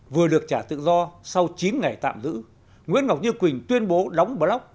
vừa được trả tự do sau chín ngày tạm giữ nguyễn ngọc như quỳnh tuyên bố đóng block